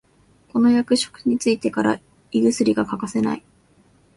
この役職についてから胃薬が欠かせない